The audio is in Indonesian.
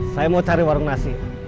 saya mau cari warung nasi